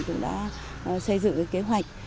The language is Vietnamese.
cũng đã xây dựng kế hoạch